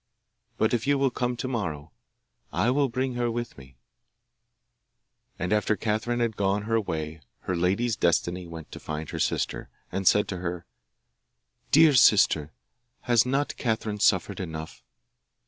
But if you will come to morrow I will bring her with me.' And after Catherine had gone her way her lady's Destiny went to find her sister, and said to her, 'Dear sister, has not Catherine suffered enough?